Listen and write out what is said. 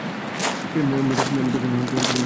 মধুসূদন নীচে চলে গেল।